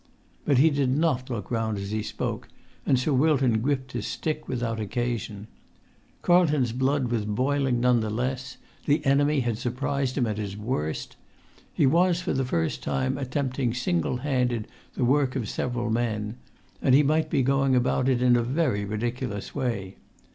But he did not look round as he spoke, and Sir Wilton gripped his stick without occasion. Carlton's blood was boiling none the less. The enemy had surprised him at his worst. He was, for the first time, attempting single handed the work of several men; and he might be going about it in a very ridiculous way.